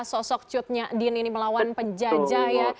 sosok cut nyadin ini melawan penjajah ya